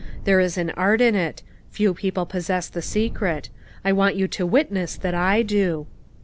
There is an art in it ; few people possess the se cret. I want you to witness that I do."